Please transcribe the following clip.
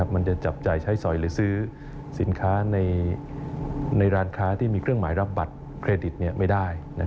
มันจะจับจ่ายใช้สอยหรือซื้อสินค้าในร้านค้าที่มีเครื่องหมายรับบัตรเครดิตไม่ได้